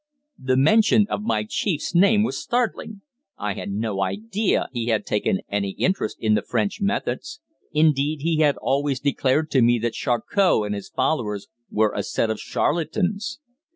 The mention of my chief's name was startling. I had no idea he had taken any interest in the French methods. Indeed, he had always declared to me that Charcot and his followers were a set of charlatans.